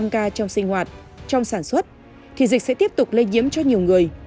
năm ca trong sinh hoạt trong sản xuất thì dịch sẽ tiếp tục lây nhiễm cho nhiều người